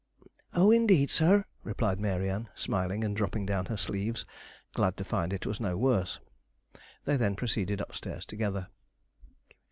'Oh, indeed, sir,' replied Mary Ann, smiling, and dropping down her sleeves glad to find it was no worse. They then proceeded upstairs together.